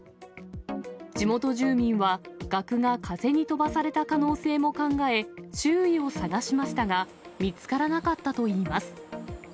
地元住民は、額が風に飛ばされた可能性も考え、周囲を探しましたが、見つからなかったといいます。